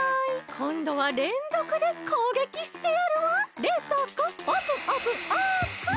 こんどはれんぞくでこうげきしてやるわ！冷凍庫オープン！